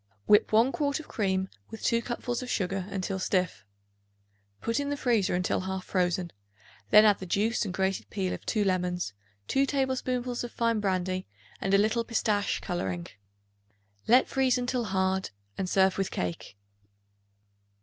Whip 1 quart of cream with 2 cupfuls of sugar until stiff. Put in the freezer until half frozen; then add the juice and grated peel of 2 lemons, 2 tablespoonfuls of fine brandy, and a little pistache coloring. Let freeze until hard and serve with cake.